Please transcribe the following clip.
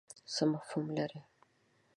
څه مفهوم لري.